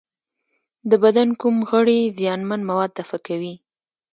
د بدن کوم غړي زیانمن مواد دفع کوي؟